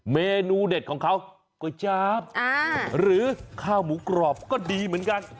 เมนูเด็ดของเขาก๋วยจ๊าบหรือข้าวหมูกรอบก็ดีเหมือนกัน